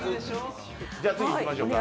じゃあ、次いきましょうか。